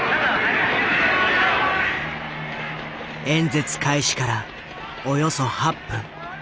演説開始からおよそ８分。